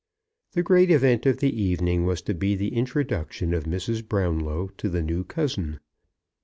The great event of the evening was to be the introduction of Mrs. Brownlow to the new cousin.